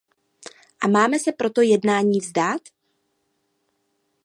A máme se proto jednání vzdát?